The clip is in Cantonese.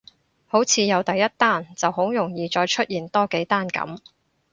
好似有第一單就好容易再出現多幾單噉